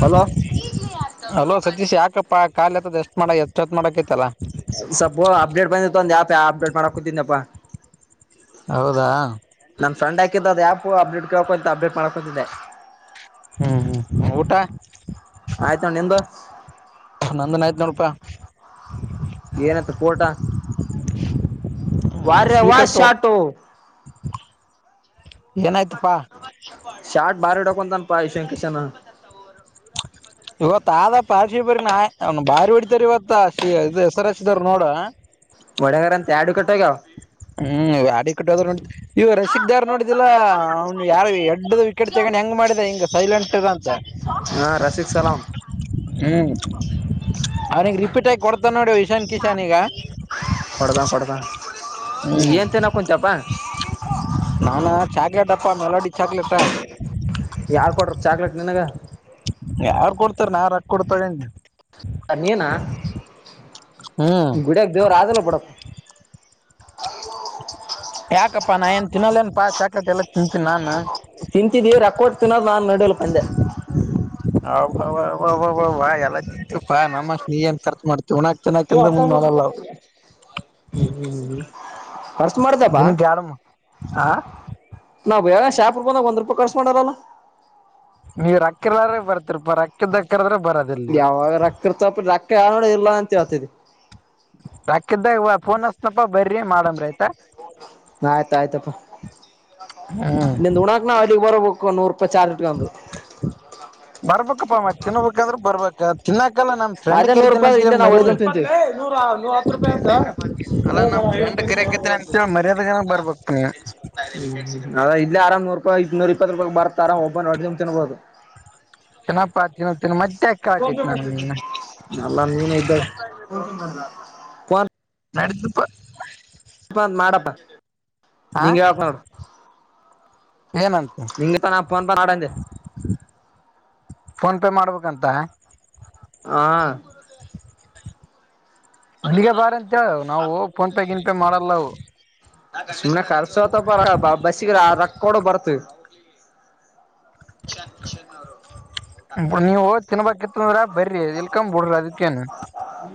Hello hello Satish ಯಾಕಪ್ಪ ಕಾಲ ಹತ್ತದ ಎಷ್ಟ್ ಮಾಡ ಎಷ್ಟತ್ ಮಾಡಕೈತಲ್ಲ ಒಂದು ಅಪ್ಡೇಟ್ ಮಾಡಕೂತಿನಪ್ಪಾ ಹೌದಾ ಫ್ರಂಡ್ ಹಾಕಿದ್ದ ಅದು ಆ್ಯಪ್ ಅಪ್ಡೇಟ್ ಕೇಳಿತ್ತು ಅಂತ ಅಪ್ಡೇಟ್ ಮಾಡ್ಕೊಂತಿದ್ದೆ ಹೂ ಊಟಾ ಆಯ್ತು ನೋಡು ನಿಂದು ನಂದುನು ಆಯ್ತು ನೋಡಪ್ಪ ಏನಂತ ಪೋಟಾ ಹ್ಮ್ ವಾರೆ ವಾ ಸ್ವೀಟ್ ಎತ್ತು ಶಾಟು ಏನಾಯ್ತಪ್ಪಾ ಸಲ್ಟ್ ಬಾರಿ ಹೊಡೆಕುಂತನಪ್ಪ ಈಶನ್ ಕೀಶನ ಇವತ್ತು ಆದ ಪಾರ್ಶಿವ ಬರ್ ನ ಅವ್ ಬಾರಿ ಹೊಡಿತಾರ ಇವತ್ತ ಇ ಹೆ ರ ಎಚ್ ದರು ನೋಡ ಒಡಂಗರ ಅಂತ ಎರಡು ವಿಕೆಟ್ ಕಟ್ಟೋಗ ಹೂ ವಡಿ ಕಟ್ಟೋದ್ರ ನೋಡ ಇವ ರಶೀಕ್ ದಾರ್ ನೋಡಿದಿಲ್ಲಾ ಅವನು ಯಾರ ಎಡ್ಡ್ದ ವಿಕೆಟ್ ತೆಗೊಂಡ ಹೆಂಗ ಮಾಡಿದೆ ಹಿಂಗ ಸೈಲೆಂಟ್ ಇರು ಅಂತ ಹಾ ರಸಿಕ. ಹ್ಮ. [inaudible] ಅವನಿಗೆ ರಿಪೀಟ್ ಆಗಿ ಕೊಡ್ತಾನ ನೋಡಿ ಇಶಾನ್ ಕಿಶಾನ್ ಈಗ ಕೊಡ್ತಾನ ಕೊಡ್ತಾನ ಹೂ ನೀ ಏನ್ ತಿನ್ನಕ್ ಕುಂತ್ಯಪ್ಪಾ ನಾನಾ ಚಾಗೆಡಪ್ಪ ಪ್ಪ ಮೆಲೋಡಿ ಚಾಕ್ಲೇಟ್ ಯಾರ್ ಕೊಟ್ರ ಚಾಕ್ಲೆೇಟ್ ನಿನಗ ಯಾರ್ ಕೊಡ್ತಾರ ನಾ ರೊಕ್ಕ ಕೊಡ್ ತೊಗೊಂಡೆ ನೀನಾ ಹ್ಮ್ ಗುಡಿಯಕ್ ದೇವ್ರ ಅಲ್ಲ ಬಿಡ್ ಯಾಕಪ್ಪಾ ನಾ ಏನ್ ತಿನ್ನಲ್ಲೇಏನ್ಪಾ ಚಾಕ್ಲೇಟ್ ಎಲ್ಲಾ ತಿಂತಿನಿ ನಾನ್ ತಿಂತಿದ್ದೀವಿ ರೊಕ್ಕ ಕೊಟ್ಟು ತಿನ್ನೋದು ನಾನ್ ನೋಡಿಲ್ಲಪ್ಪ ಅಂದೆ ಅಬಾಬಾಬಾ ಎಲ್ಲ ತಿಂತೀವ ಪಾ ನಮ್ಮ ಅಷ್ಟ ನೀ ಏನ್ ಖರ್ಚ ಮಾಡ್ತಿವಿ. [inaudible] ಹ್ಮ್ಮ್. ದಿನಕ್ಕ ಯಡಮ್ ಆ. ಅವ ಶರ್ಪುರ್ ಬಂದಾಗ ಒಂದ್ ರೂಪ ಕರ್ಚ ಮಾಡಾಲಲ್ಲ. ನೀವ್ ರೊಕ್ಕ ಇಲ್ಲದಾರ್ದಾಗ್ ಬರ್ತರಿಪ್ಪ ರೊಕ್ಕದಕದ್ರ. ಬರೋದಿಲ್ ನೀವ ಯಾವಾಗ ರೊಕ್ಕ ಇರ್ತಪ್ಪ ರೊಕ್ಕ ಯಾವ ನೋಡಿ ಇಲ್ಲ ಅಂತ ಹೇಳ್ತಿದಿ ರೊಕ್ಕ ಇದ್ದಾಗ. ಫೋನ ಹಚ್ತೇವ್ ಪಾ ಬರ್ರೀ ಮಾಡಂಬ್ರೈತ್. ಆಯ್ತ ಆಯ್ತಪ್ಪ ಹ್ಮ್ ನಿಂದ ಉಣಾಕ್ ನಾವ ಅಲ್ಲಿಗ್ ಬರಬೇಕು ನೂರ್. ರೂಪೀ ಚಾರ್ಜ್ ಒಂದು. ಪ್ಪ ತಿನ್ಬೇಕಾದ್ರೆ ಬರ್ಬೇಕ ತಿನ್ನಕ್. ಅದೇ ನೂರು ರೂಪಾಯಿ ಇಲ್ಲೆ ನಾವು ಹೋಗ್ಕೊಂಟ ತಿಂತೇವಿ. ಅ. ಅಲ್ಲ [inaudible] ನಮ್ ಫ್ರೆಂಡ್ ಕರಿಯಕೈತೇನ ಅಂತೇಳಿ ಮರ್ಯಾದೆಗನ ಬರ್ಬೇಕ್ ನೀ ಇಲ್ಲಿ ಆರಾಮ ನೂರಾಪಿ ಇ ನೂ ಇಪ್ಪ ರೂಪಾಯ ಬತ್ತ ಆರಮ ಹೊತ್ತಿತುಂಬ ತಿನ್ಬಹುದು. ತಿನಪ್ಪಾ ತಿನ್ನ ತಿನ ಮೆ. ಅಲ್ಲಾ ನೀನೇ ಇದ್ದಾಗ ಪೋನ್. ನಡಿತೆತ್ ಪಾ. ಮಾಡಪ್ಪ ನೀಂಗ ಹೇಳ್ತೇನ ನೋಡ. ಏನಂತ ನಿಂಗ ತ ನಾ ಫೋನ್ ಪೆ. ಫೋನ್ಪೇ ಮಾಡ್ಬೇಕಂತ. ಹಾ. ಮದ ಮನಿಗೆ ಬಾರ ಅಂತೇಳ ನಾವು ಫೋನ್ ಪೇ ಗಿನ್ ಪೇ ಮಾಡಲ್ಲವು [inaudible] ನಿಮ್ ಕರ್ಸೋತಪರ ಬಸ್ಸಿಗ್ ಆ ರೊಕ್ಕ ಕೊಡು ಬರ್ತೀವ್. ಈಶ ಕಿಶನ್ ಅವರು. ನೀವು ತಿನ್ಬಿತ್ತ ಅಂದ್ರ ಬರ್ರಿ ಇಲ್ಕ್ ಬಿಡ್ರಿ ಅದಕ್ಕೇನು.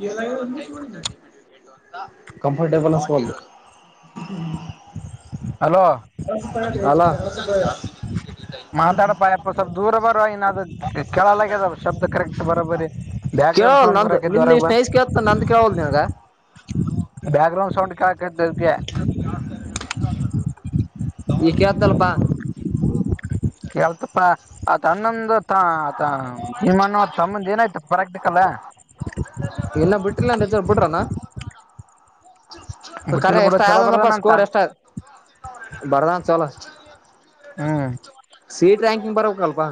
ಎ ಒಂದಡ [inaudible] ಕಂಫರ್ಟೇಬಲ್ ಅನುಸ್ವಾಲ್ಡು. ಹಲೋ. ಹಲೋ. ಮಾತಾಡಪಾ ಯಪ್ಪ ಸ್ವಲ್ಪ ದೂರ ಬರೊ ಇನ್ನ ಅದು ಕೇಳಲಾಗ್ಯದ ಶಬ್ದ ಕರೆಕ್ಟ್ ಬರೋಬರಿ. ಬ್ಯಾಕ್ ಗ್ರೌಂಡ್ ಕೇಳವಲ್ ಸೌಂಡ್ ನಂದು ಬರಕೈತೆ ನಿನ್ ಹೊರಗ ಬಾ ಇಷ್ಟ್ ನೈಸ್ ಕೇಳ್ತ ನಂದ್ ಕೇಳವಲ್ ನಿನ್ಗ ಬ್ಯಾಕ್ ಗ್ರೌಂಡ್. ಸೌಂಡ್ ಕೇಲಕತ್ತ. [inaudible] ಈಗ ಕೇತಲ್ಪಾ. ಕೇಳ್ತಪ್ಪಾ ಆ ತನ್ನಂದ. ತಾ ತಾ ಈಮ್ಮಣ ತಮ್ಮಂದ ಏನಾಯ್ತು ಪ್ರಾಕ್ಟಿಕಲ್. ನ ಬಿಟ್ಟ್ರಿಲ್ಲ ಟೀಚರ್ ಬಿಟ್ರಏನ್. ಖರೆ ಬಿಟ್ಟಿಲ್ ಬಿಡು ಎಷ್ಟ ಚಲೋ ಆಯದಂದಪ್ಪ ಬರ್ದನಂತ ಸ್ಕೋರ್ ಎಷ್ಟ ಬರ್ದಾನ್ ಚಲೋ. ಹ್ಮ್. ಸೀಟ್ ರ್ಯಾಂಕಿಂಗ್ ಬರಬೇಕಲ್ವಾ.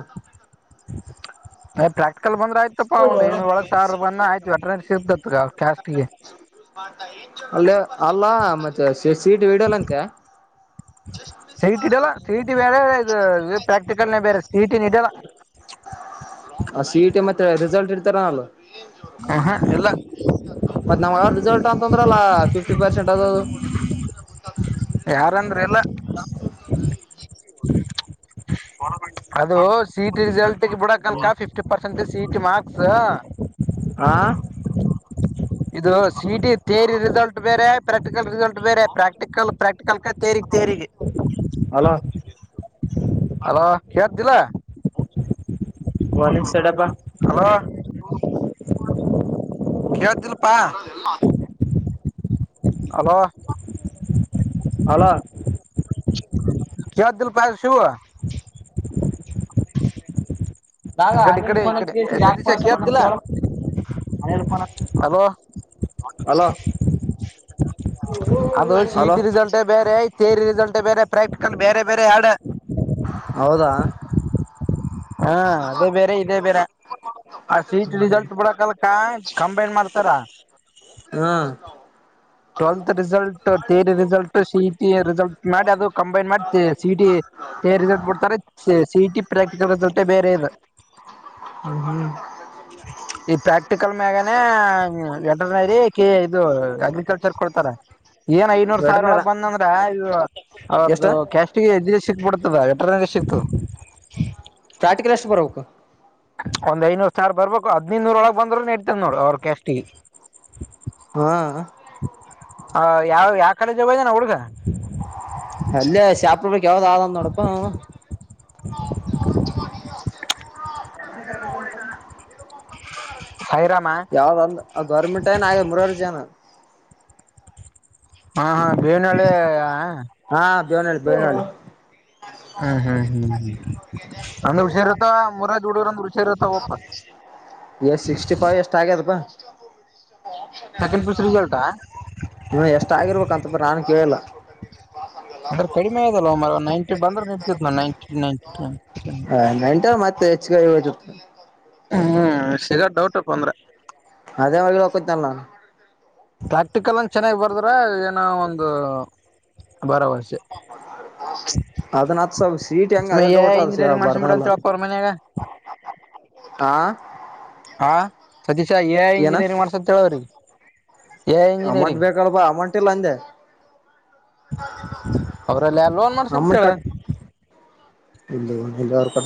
ಪ್ರಾಕ್ಟಿಕಲ್ ಬಂದ್ರೆ ಆಯ್ತಪ್ಪ ಒಂದ್ ಐನೂರ ಒಳಗೆ ಸಾವಿರ ಬಂದ ಆಯ್ತು ವೆಟನರಿ ಸಿಗ್ತ ಕಸ್ತೆ ಅಲ್ಲೇ ಅಲ್ಲಾ ಮತ್ತೆ ಸೀಟ್ ವಿಡಲ್ಲಂತೆ ಜಷ್ಟ ಸಿ ಮ ಇ ಟಿ ಮಾಡ ಇಡಲ್ಲ ಸಿ ಇ ಟಿ ಬೇರೆ ಇದು ಪ್ರಾಕ್ಟಿಕಲ್ನೇ ಬೇರೆ ಸಿ ಇ ಟಿನ ಇಡಲ್ಲ [inaudible] ಸಿ ಇ ಟಿ ಮತ್ತೆ ರಿಸಲ್ಟ್ ಹಿಡಿತಾರ ಏನೋಳ. ಹ ಹಾ ಇಲ್ಲ. ಮತ್ ನಾವ ರಿಸಲ್ಟ್ ಅಂತಂದ್ರಲ್ಲ ಫಿಫ್ಟಿ ಪರ್ಸೆಂಟ್ ಆದುದು. ಯಾರಂದ್ರ ಇಲ್ಲ. [inaudible] ಹ್ಮ [inaudible] ಅದು ಸಿ ಇ ಟಿ ರಿಸಲ್ಟ್ ಬಿಡಕ್ ಅನ್ಕಾ fifty percent C E T marks. ಹಾ. ಇದು C E T theory result ಬೇರೆ ಪ್ರಾಕ್ಟಿಕಲ್ ರಿಸಲ್ಟ್ ಬೇರೆ ಪ್ರಾಕ್ಟಿಕಲ್ ಪ್ರಾಕ್ಟ. ಕಲ್ಕ ತೇಗ್ ತೇರಿಗೆ ಹಲೋ ಅಲೋ ಲ್ಲ ಒನ ಸಡಪ್ಪಾ ಯತ್ ಬರದೆ ಎಲ್ಲ ಹಲೋ ಅಲ ಕದಲ್ಪ ಬಾಗ ಅನಿಲ್ ಪಸ ಕಡೆ ಏ ಯಾಕ ಸತೀಶ ಪೋಸ ಪ ಕೇಳ್ತಿಲ್ಲ ಕೇಳ ಹಲೋ ಹಲೋ ಅದು ಹಲೋ ಚೀಟ ರೀಸಲ್ಟೇ ಬೇರೆ ತೇರಿ ರೀಸಲ್ಟ ಬೇರೆ ಪ್ರಾಕ್ಟಿಕಲ್ ಬೇರೆ ಬೇರೆ ಆಡ ಹ ಹೌದಾ ಅದೇ ಬೇರೆ ಇದೇ ಬೇರೆ ಆ ಸೀಟ್ ರಿಸಲ್ಟ್ ಬಿಡಕಲ್ಕ ಕಂಬೈನ್ ಮಾಡ್ತಾರ [inaudible] ಹಾ [inaudible] ಟ್ವೆಲ್ತ್ ರಿಸಲ್ಟ್ ತೇರಿ ರಿಸಲ್ಟ್ ಸಿಟಿ ರಿಸಲ್ಟ್ ಮಾಡಿ ಅದು ಕಂಬೈನ್ ಮಾಡ್ತೇವಿ ಸಿಟಿ ಬೇ ರಿಸಲ್ಟ್ ಬಿಡ್ತಾರೆ ಸಿಟಿ ಪ್ರಾಕ್ಟಿಕಲ್ ರಿಸಲ್ಟೇ ಬೇರೆ ಇದು ಹ ಈ ಪ್ರಾಕ್ಟಿಕಲ್ ಮ್ಯಾಗಾನ ವೆಟರ್ನರಿ ಕ ಇದು ಅಗ್ರಿಕಲ್ರ್ ಹೇಳ್ತಾರೆ ಏನ್ ಐದನೂರ್ ಸಾವಿರ ವೆಟನರ ಒಳಗ್ ಬಂದಂದ್ರೆ ಎಷ್ಟ ಅವದ್ದು ಕ್ಯಾಸ್ಟಿಗೆ ಎದ್ದು ಸಿಕ್ಬ ಬಿಡ್ತದ ಎರ ಸಿಕ್ಕು ಚಾಟಿಕಲಷ್ಟು ಪರಬೇಕಕ್ಕ ಒಂದ್ ಐನೂರ್ ಸಾರ್ ಬರ್ಬೇಕು ಹದ್ನದುನೂರೊಳಗ್ ಬಂದರುೂ ಇಡ್ತನ್ ನೋಡು ಅವ್ರ ಕಷ್ಟಿಗೆ ಹಾ ಹ ಯಾವ ಯ ಕಡೆ ಜವ ಳಖಾ ಅಲ್ಲೇ ಶಾಪಡ್ಬೇಕಕ್ ಯಾವ್ದ ಆದ ನೋಡಪ್ಪ ಸೈರಾಮ ಯಾವ್ದಂದ ಗೌರ್ಮೆಂಟ್ ಏನ ಆ ಮೂರ ಜನ ಹಾ ಹಾ ಬೇವಿನಳಿ ಹಾ ಬವನಲ್ಲಿ ಬವನಲ್ಲಿ ಗಡೆ ಹ್ಮ್ ಹ್ಮ್ ಹ್ಮ್ ಹ್ಮ್ ಅಂದ್ರ ಹುಷಾರ ಇರ್ತಾವ ಮುರಾಜ್ ಹುಡುಗರ್ ಅಂದ್ರ ಹುಷಾರ್ ಇರ್ತಾವಪ್ಪ ಎಷ್ಟ ಸಿಕ್ಸ್ಟಿ ಫೈವ್ ಎಷ್ಟ್ ಆಗ್ಯದಪ್ಪಾ ಆಪ್ಷನ್ ಸೆಕೆಂಡ್ ಅಲ್ಲ ಪಿಯುಸಿ ರಿಸಲ್ಟ್ ನಿವ ಎಷ್ಟ ಆಗಿರ್ಬೇಕಂತ ಬ್ರ ನಾನು ಕೇಳಿಲ್ಲ ಅಂದ್ರ ಕಡಿಮೆ ಆದಲ್ಲ ಮ ನೈಂಟಿ ಬಂದ್ರೆ ನಿಡ್ತ್ ನವು ನೈಂಟಿ ನೈಂಟ ಹ ನೆಂಟ ಮತ್ತೆ ಹೆಚ್ಚಗ ಇವದು ಹ್ಮ್ ಶೇಗ ಡೌಟ್ಪ್ಪ ಅಂದ್ರೆ. ಅದೇ ಒಲಿ ಹಕೋತ ಅಲ್ಲ. ಪ್ರಾಕ್ಟಿಕಲ್ನ್ ಚೆನ್ನಾಗಿ ಬರದ್ರ ಏನೋ ಒಂದು ಭರವಸೆ. ಅದನ್ನ ಹತ್ ಸ್ವಲ್ಪ ಸೀಟ್ ಹೆಂಗ ಸುಮಿ ಅದೇ ಡೌಟ್ ಅದ ಇಂಜಿನಿಯರಿಂಗ್ ಬರ್ದಲ್ಲ ಮಾಡ್ಸಬಿಡಂತ ಅಪ್ಪರ ಮನ್ಯಾಗ ಹಾ ಹ ಸತೀಶ ಎ ಐ ಏನ ಇಂಜಿನಿಯರಿಂಗ್ ಮಾಡ್ಸಂತ ಹೇಳ ಅವ್ರಿಗೆ ಅಮೌಂಟ್ ಬೇಕಲ್ವಾ ಅಮೌಂಟ್ ಇಲ್ಲ ಅಂದೆ ಅವ್ರಲ್ಲಿ ಯಾರ್ ಲೋನ್ ಮಾಡ್ಸಂತ ಅಮ್ಮನ್ ಕ ಹೇಳ ಇಲ್ಲ ಇಲ್ಲ ಅವಕ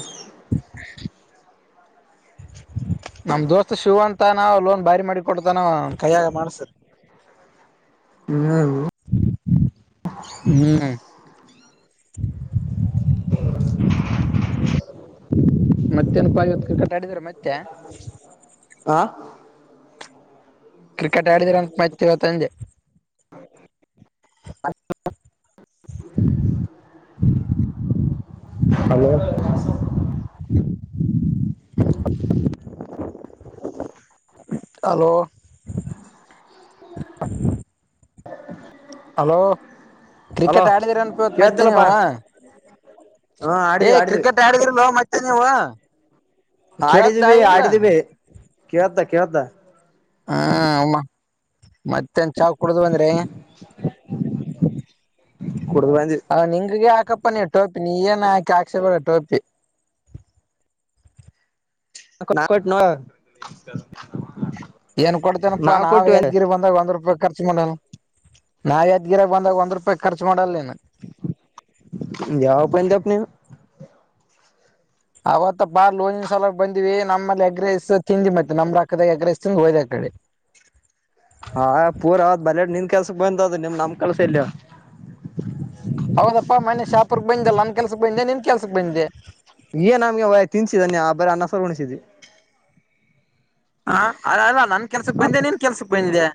ನಮ್ ದೋಸ್ತ್ ಶಿವ ಅಂತ ನ ಲೋನ್ ಭಾರಿ ಮಾಡಿ ಕೊಡ್ತಾನ ಕೈಯಾಗ ಮಾಡ್ಸ ಹ್ಮ್ [unintelligible] [inaudible] [unintelligible] ಮತ್ತೆ ನಪಾಯ ಐವತ್ತು ಕ್ರಿಕಟ ಆಡಿದಿದ್ದಾರೆ ಮತ್ತೆ. ಹಾ cricket ಆಡಿದಿರೈತ್ [unintelligible] ಇವತ್ತಂದೆ. [inaudible] Hello. [inaudible] [inaudible] Hello hello hello cricket ಆಡಿದೀರ ಮತ್ತೇ ಇವತ್ ಕೇಳ್ತಿಲ್ಲಪ್ಪಾ ನೀವ್. ಹಾ ಏ ಆಡಿದ್ವಿ ಆಡಿದ್ವಿ ಕ್ರಿಕೆಟ್ ಆಡಗಿರ್ಲ್ ಮತ್ತೆ ನೀವು. ಕೇಳ್ದ ಆಡಿದೀವಿ ಇಲ್ಲ ಆಡಿದೀವಿ ಕೇಳತ ಕೇಳತ. ಹಾ ಹಮ್ಮ. ಮತ್ತನ್ ಚಾ ಕುಡ್ದ ಬಂದ್ರಿ. ಕುಡ್ದ್ ಬಂದ್ವಿ ಹ ನಿಂಗಗೆ ಆ ಅಪ್ಪನಿ ಟೋಪಿ ನೀ ಏನ ಹಾಕಿ ಆಕ್ಷೆಪರ ಟೋಪಿ. ನ ನಾಕಟ್ಟ [unintelligible] ಏನ್ ಕೊಡ್ತೇನಪ್ಪಾ ನಾವ್ ಯದ್ಗಿರಿ ಬಂದಾಗ ಒಂದ್ ರೂಪಾಯಿ. ಖರ್ಚ ಮಾಡಲ್ಲ ನಾವ್ ಯದ್ಗಿರ ಬಂದಾಗ ಒಂದ್ ರೂಪಾಯಿ ಖರ್ಚು ಮಾಡಲ್ಲ ನೀವು ಇದು ಯಾವ್ [unintelligible] ಅವತ್ತ ಬಾ ಲೋನಿನನ್ ಸಲ ಬಂದಿವವಿ ನಮ್ಮಲ್ಲಿ ಅಗ್ರಸ್ ತಿಂದು ಮತ್ತೆ ನಮ್ ರೊಕ್ಕದಾಗ ಅಗ್ರಸ್ ತಿಂದ ಹೋದ. ಹೇಳಿ ಕೆಲ್ಸ ಬಂದ ಅದು ನಿಮ್ ನಮ್ ಕೆಲ್ಸ ಇಲ್ಯ. ಹೌದಪ್ಪಾ ಮನೆ ಶಾಪರ್ಗ್ ಬಂದಲ್ಲ ನನ್ ಕೆಲ್ಸಕ್ ಬಂದೆ ನಿನ್ ಕೆಲ್ಸ ಬಂದೆ. ನಮ್ಗೆ ಅವ ತಿನ್ಸಿದನ್ಯಾ ಬರ ಅನ್ನಸರ್ ಉಣಿಸಿದಿ. ಹ ಅ ಅಲ್ಲ ನನ್ ಕೆಲ್ಸಕ್ ಬಂದೆ ನಿನ್ ಕೆಲ್ಸಕ್ ಬಂದೆ.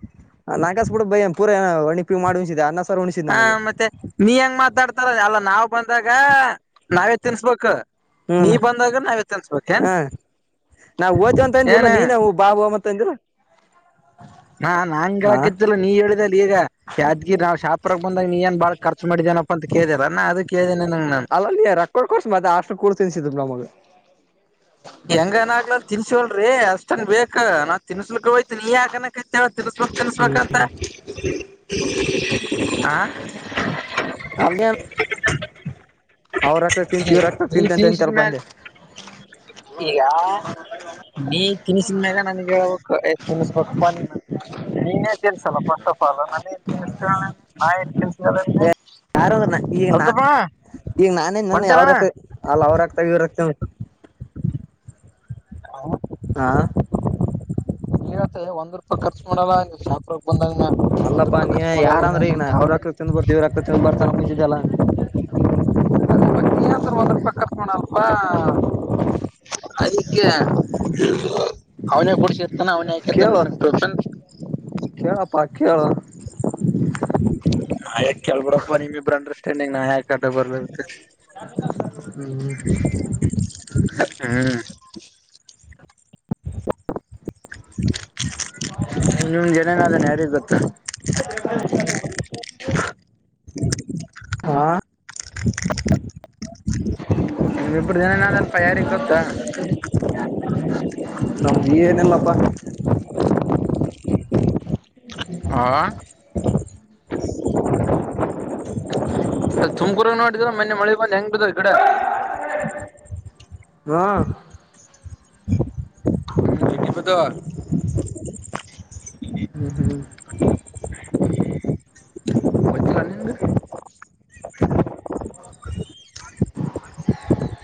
ಮಾಡ ಉಳಿಸಿದ ಅನ್ನ ಸಾರು ಉಣಿಸಿದ್ ಹ ನಮಗ ಮತ್ತೆ ನೀ ಹೆಂಗ್ ಮಾತಾಡ್ತಾರ ಅಲ್ಲ ನಾವ್ ಬಂದಾಗ ನಾವೇ ತಿನ್ಸ್ಬೇಕು ನೀ ಹ್ಮ್ ಬಂದಾಗ ನಾವೇ ತಿನ್ಸ್ಬೇಕ ಹೇನು. ನಾವು ಓತೀವ ಅಂತ ಅಂದ್ವಲ್ಲಾ ನೀನ್ವು ಬಾಬ ಅಂತ ಅಂದಿ. ಹಾ ನಾನು ಹಾ ಕೆಳಕತ್ತಿಲ್ಲ ನೀನು. ಈಗ ಯಾದ್ಗಿ ನಾ ಶಾಪರ ಬಂದಾಗ ನೀ ಏನ್ ಬಾಳ ಖರ್ಚ ಮಾಡಿದೇನಪ್ಪ ಅಂತ ಕೇಳಳ್ರ ನಾ ಅದು ಕೇಳ್ದೇನೆ ನಂಗಗೆ ನಾನನ್. [unintelligible] ಹೆಂಗನ ಆಗ್ಲಲ್ ತಿನ್ಸವಲ್ರೀ ಅಷ್ಟನ್ ಬೇಕ ನಾ ತಿನ್ಸಲಿಕ್ಕೆ ಹೋಯ್ತ ನೀ ಯಾಕನ. ತಿನ್ಸ್ಬೇಕ ತಿನ್ಸ್್ಬೇಕಂತ ಹ. ಹಂಗೆ [inaudible] ಅವ್ರ ರಕ್ತ ತಿಂತ ಇವ್ರ ರಕ್ತದ ನೀ ತಿಂತ ತಿನ್ಸಿದ ಅಂತ ಸ್ಲ್ಪ ಮ್ಯಾಲ ಅಜೆ ಈಗ ನೀ ತಿಿನಿಸಿದ ಮ್ಯಾಗ ನನಗೆ ತಿನ್ನಿಸ್ಬೇಕುಪ್ಪ ನೀನು ನೀನೇ ತಿಲ್ಸಲ್ಲ ಫಸ್ಟ್ ಆಫ್ ಆಲ್ ನನ್ನೇ ತಿಿಸ್ ಯಾರನಾ ಈಗನಾ. ಅಲ್ತಪ್ಪ [unintelligible] ಈಗ ನಾನೇನ್ ನನ್ನ ಹೊಂಟೇಲಣ ಅವ್ರತ ಅಲ್ಲ ಅವ್ರ ಆಗ್ತಾಗ ಇವ್ರ ಆಗ್ತಾನ. ಹೌ [inaudible] ಆ [inaudible] ಇಲ್ಲಿಗತ್ತೆ ಒಂದ್ ರೂಪಾಯಿ ಖರ್ಚು ಮಾಡಲ್ಲ ಸಾವಿರ. ಅಲ್ಲಪ್ಪಾ ನೀ ಯಾರ ಅಂದ್ರೆ ಈಗಾ ಏನಿಲ್ಲ ನೀ ಅವ್ರ ತಿಂದ ಬರ್ತಿ ಇವ್ರತ್ರ ತಿಂದು ಬರ್ತಾನ ಕುಖಂಚಿದಲ್ಲ ಏಂದ್ರ ಒಂದ್ ರೂಪಾಯಿ ಖರ್ಚು ಮಾಡಲಪ್ಪ. ಅದಕ್ಕೆ ಅವನೇ ಕೊಡ್ಸ. ಅವನೆ ಯಾಕೋ ತಾನೇ ಕೇಳು ನೀನ್ ಕೇಳಪ್ಪಾ ಕೇಳು ನಾ ಯಾೆ ಕೆೇಳ್ಬಿರಪ್ಪ ನಿಮ ಇಬ್ಬರು ಅಂಡರ್ಸ್ಟ್ಯಾಂಡಿಂಗ್ ನಾ ಯಾಕೆ ಕಟ ಬರ್ಲಾಗತ್ತೆ ಹ್ಮ್ ಹ್ಮ್ ನಿಮ್ ನಿಮ ಜನೇನದನೆ ಯಾರಿಿಗೆ ಗೊತ್ತು ಹ ಹಾ ನಿಮಿಬ್ರ ಜನನಾದಲ್ಪ ಯಾರಿಿಗೆಗ್ ಗೊತ್ತಾ ನಮ್ದು ಏನಲ್ಲಪ್ಪಾ ಹ ಅ ತುಮಕೂರ ನೋಡಿದ್ರ ಮೊನ್ನೆ ಮಳೆ ಬಂದು ಹೆಂಗ ಇ ಕಡೆ ಹಾ ಹ ದ ಹ್ಮ್ ಹ್ಮ್ ಹ ಚಲಾಲಿಂದ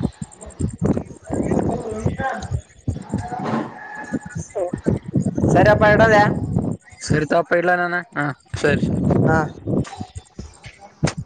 ಹೌ ಇಡೋದ್ಯಾ ಸರಿತಪ್ಪ ಇಲ್ಲ ನಾನ ಹ ಸರಿ ಹಾ ಸರಿ